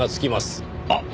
あっ！